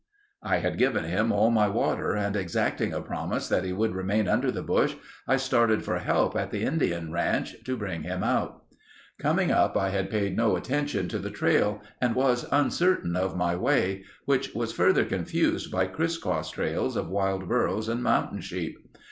I had given him all my water and exacting a promise that he would remain under the bush, I started for help at the Indian Ranch, to bring him out. Coming up, I had paid no attention to the trail and was uncertain of my way—which was further confused by criss crossed trails of wild burros and mountain sheep.